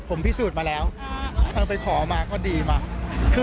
ผมพิสูจน์มาแล้วเอาไปขอมาก็ดีมาก